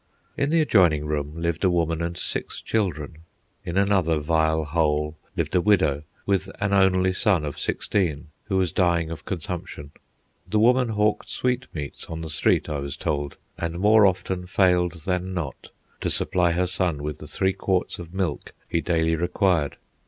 In the adjoining room lived a woman and six children. In another vile hole lived a widow, with an only son of sixteen who was dying of consumption. The woman hawked sweetmeats on the street, I was told, and more often failed than not to supply her son with the three quarts of milk he daily required.